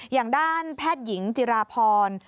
อย่างด้านแพทย์หญิงจิราพร